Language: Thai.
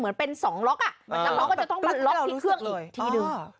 มันต้องล็อกอ่ะมันต้องล็อกที่เครื่องอีก